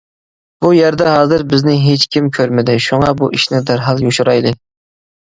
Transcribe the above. بۇ يەردە ھازىر بىزنى ھېچ كىم كۆرمىدى، شۇڭا بۇ ئىشنى دەرھال يوشۇرايلى.